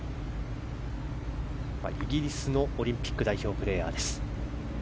イギリスのオリンピック代表プレーヤーです。